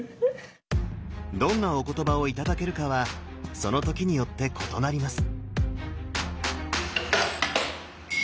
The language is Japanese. どんなお言葉を頂けるかはその時によって異なります。